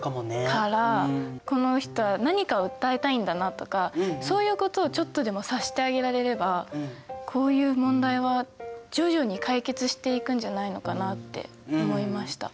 からこの人は何かを訴えたいんだなとかそういうことをちょっとでも察してあげられればこういう問題は徐々に解決していくんじゃないのかなって思いました。